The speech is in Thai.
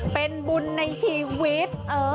เป็นบุญในชีวิต